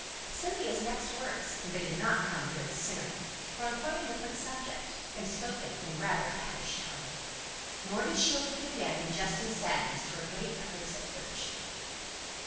Cynthia's next words, and they did not come very soon, were on quite a different subject, and spoken in rather a pettish tone. Nor did she allude again in jesting sadness to her late efforts at virtue.